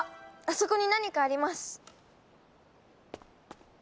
あそこに何かあります！